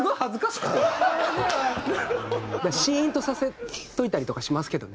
しーんとさせといたりとかしますけどね。